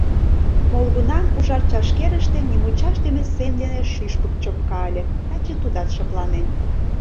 Молгунам ужар чашкерыште нимучашдыме сем дене шӱшпык чопка ыле, таче тудат шыпланен.